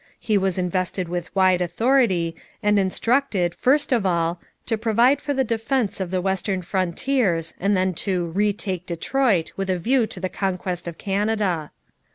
He was invested with wide authority, and instructed, first of all, to provide for the defence of the western frontiers and then to 'retake Detroit, with a view to the conquest of Canada.'